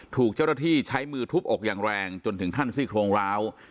ถูกเจ้าหน้าที่ใช้มือทุบอกอย่างแรงจนถึงขั้นซี่โครงร้าว